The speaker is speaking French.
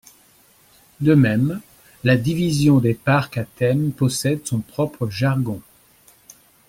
De même, la division des parcs à thèmes possède son propre jargon.